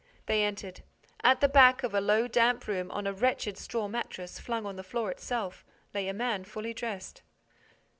They entered. At the back of a low, damp room, on a wretched straw mattress, flung on the floor itself, lay a man fully dressed.